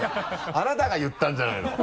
あなたが言ったんじゃないの！